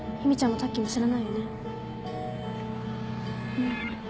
うん。